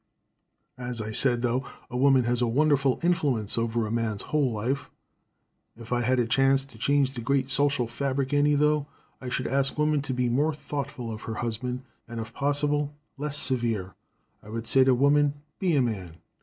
"As I said, though, a woman has a wonderful influence over a man's whole life. If I had a chance to change the great social fabric any, though, I should ask woman to be more thoughtful of her husband, and, if possible, less severe. I would say to woman, be a man.